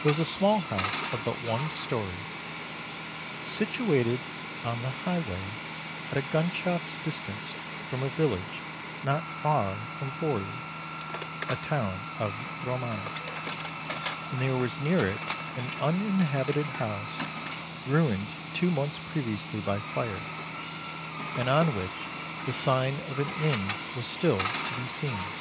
It was a small house of but one story, situated on the highway, at a gunshot's distance from a village not BLOOD OF ROMAGNA 189 far from Forli, a town of Romagna; and there was near it an uninhabited house, ruined two months previously by fire, and on which the sign of an inn was still to be seen.